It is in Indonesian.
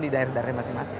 di daerah daerah masing masing